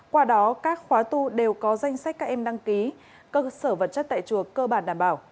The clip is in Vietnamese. qua đó các khóa tu đều có danh sách các em đăng ký cơ sở vật chất tại chùa cơ bản đảm bảo